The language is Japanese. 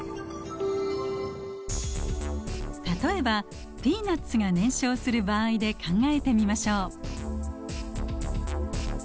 例えばピーナッツが燃焼する場合で考えてみましょう。